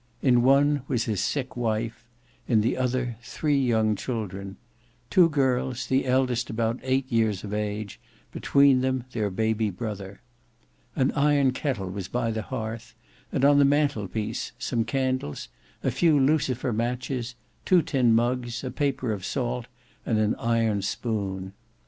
In one was his sick wife; in the other, three young children: two girls, the eldest about eight years of age; between them their baby brother. An iron kettle was by the hearth, and on the mantel piece, some candles, a few lucifer matches, two tin mugs, a paper of salt, and an iron spoon.